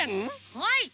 はい。